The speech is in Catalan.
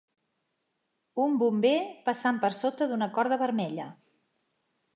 Un bomber passant per sota d"una corda vermella.